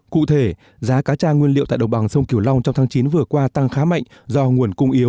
cụ thể giá cá tra nguyên liệu tại đồng bằng sông kiểu long trong tháng chín vừa qua tăng khá mạnh do nguồn cung yếu